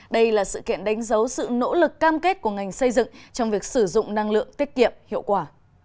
đây là sự kiện đánh dấu sự nỗ lực cam kết của ngành xây dựng trong việc sử dụng năng lượng tiết kiệm hiệu quả